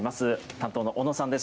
担当の小野さんです。